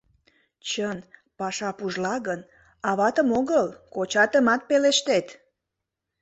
Чын, паша пужла гын, аватым огыл, кочатымат пелештет.